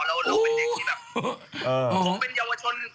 แล้วเราเป็นเด็กที่แบบ